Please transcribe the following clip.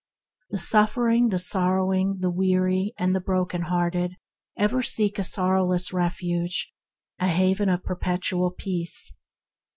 The suffering, the sorrowing, the weary and broken hearted ever seek a sorrowless refuge, a haven of perpetual peace.